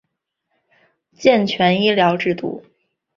健全医疗制度